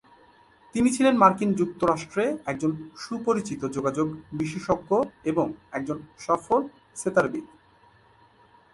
তিনি ছিলেন মার্কিন যুক্তরাষ্ট্রে একজন সুপরিচিত যোগাযোগ বিশেষজ্ঞ এবং একজন সফল সেতারবিদ।